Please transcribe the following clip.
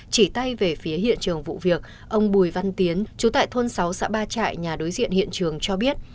chỉ tay về phía hiện trường vụ việc ông bùi văn tiến chú tại thôn sáu xã ba trại nhà đối diện hiện trường cho biết